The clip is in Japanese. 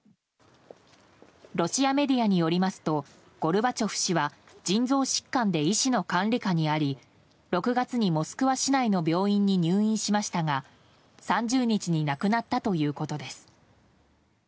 ロシアメディアによりますとゴルバチョフ氏は腎臓疾患で医師の管理下にあり６月にモスクワ市内の病院に入院しましたが３０日に亡くなったということです。